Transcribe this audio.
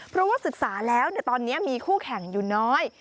เพราะว่าศึกษาแล้วตอนนี้มีคู่แข่งอยู่น้อย